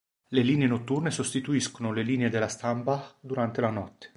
Le line notturne sostituiscono le linee della Stadtbahn durante la notte.